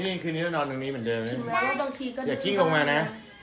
นี่นิ้วคืนนี้ลูกจะนอนตรงนี้เหมือนเดิมวะ